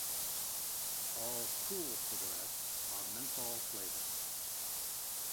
All Kool cigarettes are menthol flavored.